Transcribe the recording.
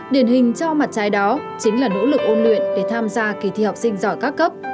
điển hình cho mặt trái đó chính là nỗ lực ôn luyện để tham gia kỳ thi học sinh giỏi các cấp